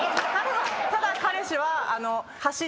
ただ彼氏は。